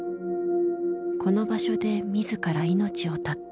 この場所で自ら命を絶った。